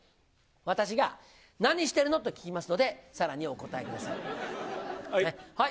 私が、何してるの？と聞きますので、さらにお答えください。